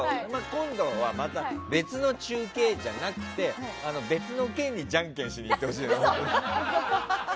今度はまた別の中継じゃなくて別の県にじゃんけんしに行ってほしいですね。